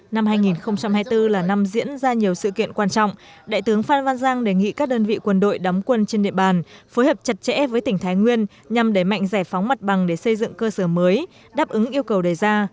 năm hai nghìn hai mươi bốn là năm diễn ra nhiều sự kiện quan trọng đại tướng phan văn giang đề nghị các đơn vị quân đội đóng quân trên địa bàn phối hợp chặt chẽ với tỉnh thái nguyên nhằm đẩy mạnh giải phóng mặt bằng để xây dựng cơ sở mới đáp ứng yêu cầu đề ra